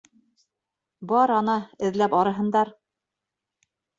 Бар, ана, эҙләп арыһындар.